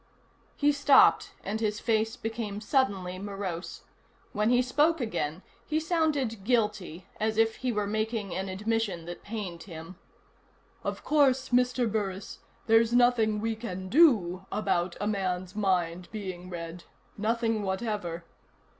He stopped, and his face became suddenly morose. When he spoke again, he sounded guilty, as if he were making an admission that pained him. "Of course, Mr. Burris, there's nothing we can do about a man's mind being read. Nothing whatever."